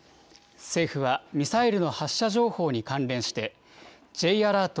政府はミサイルの発射情報に関連して、Ｊアラート